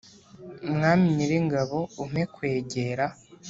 Mwami nyiringabo umpe kukwegera